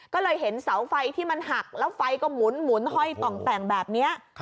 ก็เลยเห็นเสาไฟที่มันหักแล้วไฟก็หมุนห้อยต่องแต่งแบบนี้